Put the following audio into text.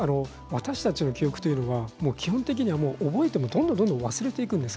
私たちの記憶というのは基本的には覚えていてもどんどん忘れていくんです。